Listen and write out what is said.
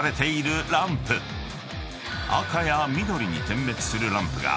［赤や緑に点滅するランプが］